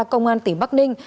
công an tỉnh bắc ninh